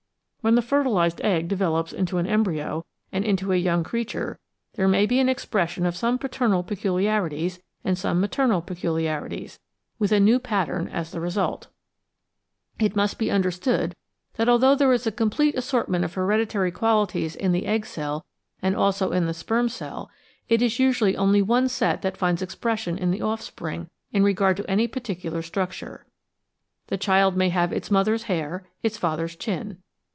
When the fertilised egg develops into an embryo and into a yoimg creature, there may be an expression of some paternal peculiarities and some maternal peculiarities, with a new pattern as the result. It must be understood that although there is a complete assortment of hereditary qualities in the egg cell and also in the sperm cell, it is usually only one set that finds expression in the offspring in regard to any par ticular structure.